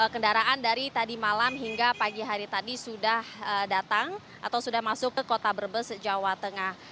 kendaraan dari tadi malam hingga pagi hari tadi sudah datang atau sudah masuk ke kota brebes jawa tengah